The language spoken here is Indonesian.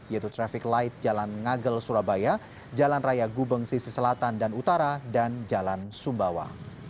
yaitu traffic light jalan ngagel surabaya jalan raya gubeng sisi selatan dan utara dan jalan sumbawa